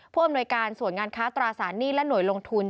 อำนวยการส่วนงานค้าตราสารหนี้และหน่วยลงทุน